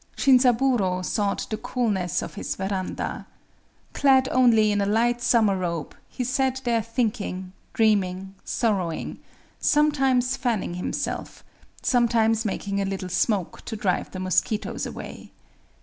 Shinzaburō sought the coolness of his veranda. Clad only in a light summer robe, he sat there thinking, dreaming, sorrowing;—sometimes fanning himself; sometimes making a little smoke to drive the mosquitoes away.